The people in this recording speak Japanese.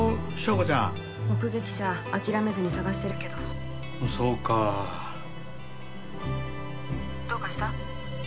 硝子ちゃん目撃者諦めずに探してるけどそうか☎どうかした？